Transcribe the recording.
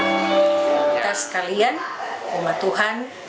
kita sekalian rumah tuhan